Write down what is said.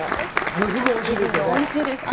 あのふぐ、おいしいですよね。